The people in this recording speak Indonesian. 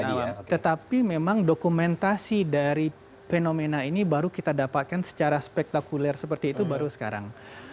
nah tetapi memang dokumentasi dari fenomena ini baru kita dapatkan secara spektakuler seperti itu baru sekarang